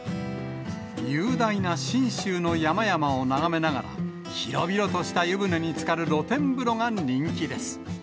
雄大な信州の山々を眺めながら、広々とした湯船につかる露天風呂が人気です。